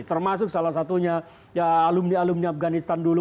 termasuk salah satunya ya alumni alumni afganistan dulu